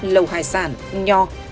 lầu hải sản nho